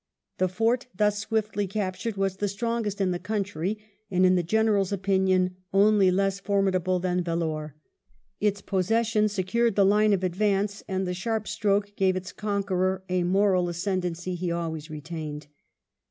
The fort thus swiftly captured was the strongest in the country, and in the General's opinion only less formidable than Vellore. Its posses sion secured the line of advance, and the sharp stroke gave its conqueror a moral ascendency he always retained.